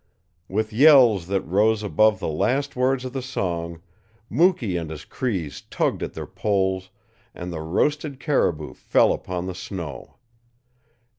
With yells that rose above the last words of the song, Mukee and his Crees tugged at their poles, and the roasted caribou fell upon the snow.